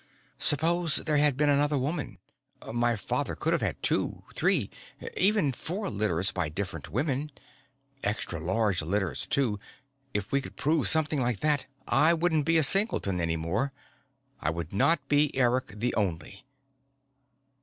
"Suppose there had been another woman. My father could have had two, three, even four litters by different women. Extra large litters too. If we could prove something like that, I wouldn't be a singleton any more. I would not be Eric the Only."